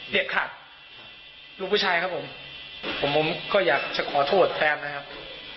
ขาดลูกผู้ชายครับผมผมผมก็อยากจะขอโทษแฟนนะครับ